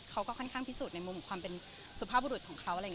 เขาก็ค่อนข้างพิสูจน์ในมุมของความเป็นสุภาพบุรุษของเขา